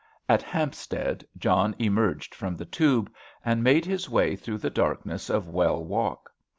At Hampstead, John emerged from the Tube and made his way through the darkness of Well Walk.